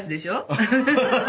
アハハハハ。